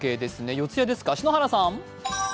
四ツ谷ですか、篠原さん。